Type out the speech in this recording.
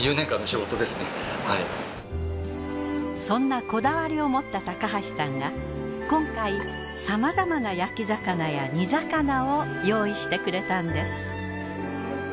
そんなこだわりを持った高橋さんが今回さまざまな焼き魚や煮魚を用意してくれたんです。